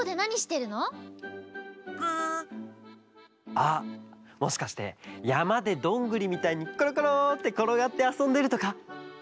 あっもしかしてやまでどんぐりみたいにころころってころがってあそんでるとか？